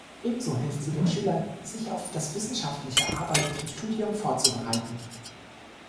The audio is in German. Ebenso hilft sie den Schülern, sich auf das wissenschaftliche Arbeiten im Studium vorzubereiten.